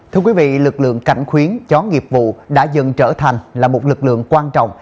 thưa quý vị lực lượng cảnh khuyến chó nghiệp vụ đã dần trở thành là một lực lượng quan trọng